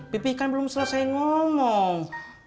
pipi kan belum selesai ngomong